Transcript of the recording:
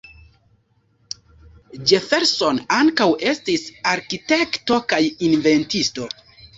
Jefferson ankaŭ estis arkitekto kaj inventisto.